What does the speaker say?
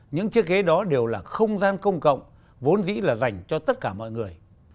những chiếc ghế đó đều là không gian công cộng vốn dĩ là dành cho tất cả mọi người